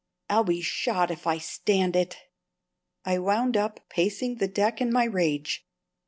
I'll be shot if I stand it!" I wound up, pacing the deck in my rage.